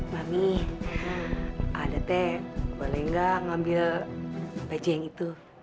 mami ada teh boleh nggak ngambil pece yang itu